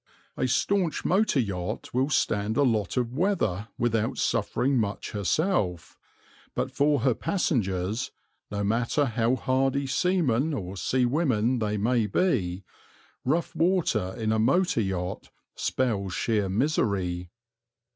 A staunch motor yacht will stand a lot of weather without suffering much herself, but for her passengers, no matter how hardy seamen or seawomen they may be, rough water in a motor yacht spells sheer misery.